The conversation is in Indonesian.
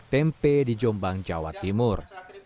tempe di jombang jawa timur